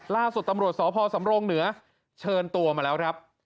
ล่าสุดตำรวจสพสำรงเหนือเชิญตัวมาแล้วครับ